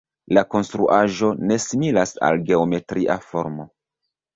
La konstruaĵo ne similas al geometria formo.